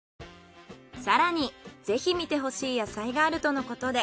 更にぜひ見てほしい野菜があるとのことで。